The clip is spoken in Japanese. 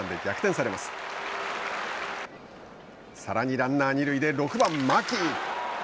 さらにランナー二塁で６番牧。